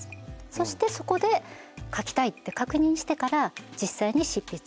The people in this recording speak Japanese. そしてそこで書きたいって確認してから実際に執筆をして。